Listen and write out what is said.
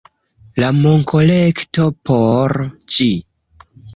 ... la monkolekto por ĝi